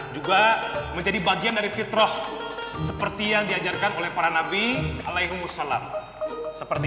juga menjadi bagian dari fitrah seperti yang diajarkan oleh para nabi alaihulam seperti